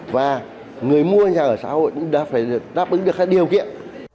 và người mua nhà ở xã hội cũng đã phải đáp ứng được các điều kiện